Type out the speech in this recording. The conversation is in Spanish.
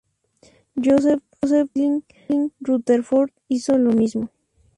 Joseph Franklin Rutherford hizo lo mismo.